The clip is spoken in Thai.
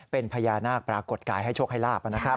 เป็นพญานาคปรากฏกายให้โชคให้ลาบนะครับ